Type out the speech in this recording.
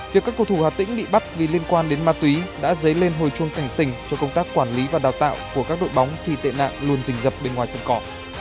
việc các cầu thủ hà tĩnh bị bắt vì liên quan đến ma túy đã dấy lên hồi chuông cảnh tình cho công tác quản lý và đào tạo của các đội bóng khi tệ nạn luôn dình dập bên ngoài sân cỏ